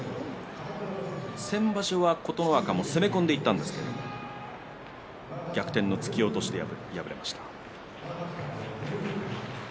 先場所は琴ノ若も攻め込んでいったんですが逆転の突き落としで敗れました。